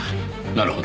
なるほど。